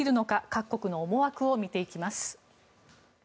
各国の思惑を見ていきます。